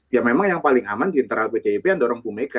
ya memang yang paling aman di internal pdip yang dorong bu mega